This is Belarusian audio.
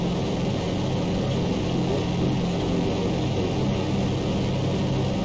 Праз колькі год я сустрэў яго ля свайго дома.